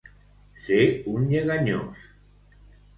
Ser un lleganyós.